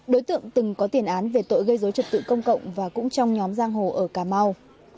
đối tượng từng có tiền án về tội gây dối trật tự công cộng và cũng trong nhóm giang hồ ở cà mau